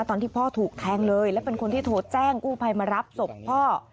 ตอนที่พ่อถูกแทงเลยและเป็นคนที่โทรแจ้งกู้ภัยมารับศพพ่อ